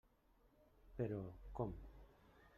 Però, com?